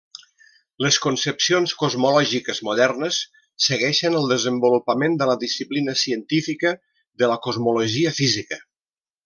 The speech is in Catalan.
Les concepcions cosmològiques modernes segueixen el desenvolupament de la disciplina científica de la cosmologia física.